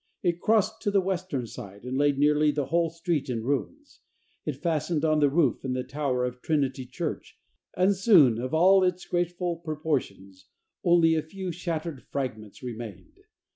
It crossed to the western side, and laid nearly the whole street in ruins. It fastened on the roof and tower of Trinity Church, and soon, of all its graceful proportions, only a few shattered fragments remained.